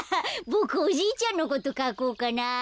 ボクおじいちゃんのことかこうかな。